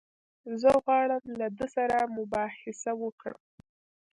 زه غواړم له ده سره مباحثه وکړم.